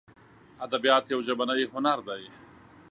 ادبیات یو ژبنی هنر دی.